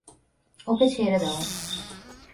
ওকে ছেড়ে দাও।